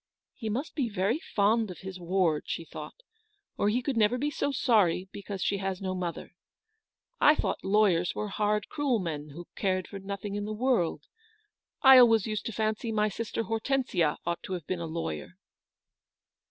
" He must be very fond of his ward," she thought, " or he could never be so sorry because she has no mother. I thought lawyers were hard, cruel men, who cared for nothing in the world. I always used to fancy my sister Hortensia ought to have been a lawyer."